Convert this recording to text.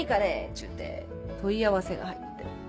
っちゅうて問い合わせが入って。